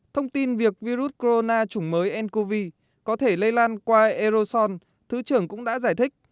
thông tin việc virus corona chủng mới ncov có thể lây lan qua aerosol thứ trưởng cũng đã giải thích